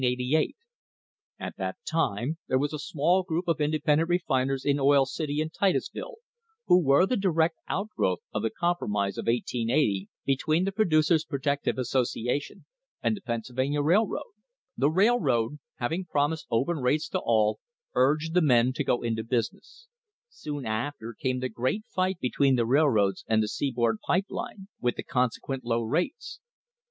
At that time there was a small group of independent refiners in Oil City and Titus ville, who were the direct outgrowth of the compromise of 1880 between the Producers' Protective Association and the Pennsylvania Railroad. The railroad, having promised open rates to all, urged the men to go into business. Soon after came the great fight between the railroads and the seaboard pipe A 25,000 BARREL TANK OF OIL IN FLAMES CONCLUSION line, with the consequent low rates.